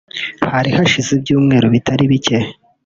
Hari hashize ibyumweru bitari bike